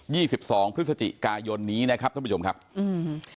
สิบสองพฤศจิกายนนี้นะครับท่านผู้ชมครับอืม